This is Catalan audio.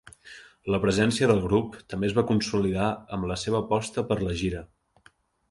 La presència del grup també es va consolidar amb la seva aposta per la gira.